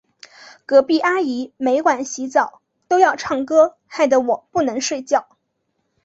隔壁阿姨每晚洗澡都要唱歌，害得我不能睡觉。